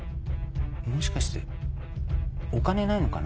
もしかしてお金ないのかな？